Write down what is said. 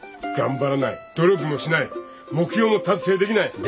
頑張らない努力もしない目標も達成できない。